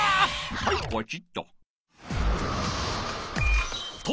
はいポチッと。